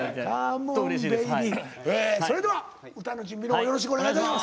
それでは歌の準備のほうよろしくお願いいたします。